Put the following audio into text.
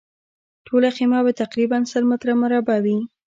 ټوله خیمه به تقریباً سل متره مربع وي.